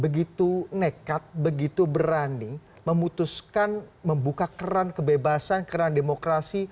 begitu nekat begitu berani memutuskan membuka keran kebebasan keran demokrasi